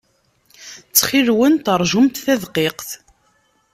Ttxil-went, ṛjumt tadqiqt.